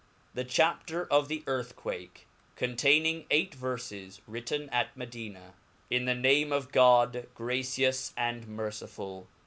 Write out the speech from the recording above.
The Chapter of the Earthquake ^ contaifi'mg eight Ferfes^ ^^rirten 4? Medina. TN the name of God, gracious and mercifiill.